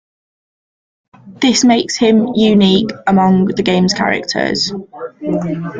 This makes him unique among the game's characters.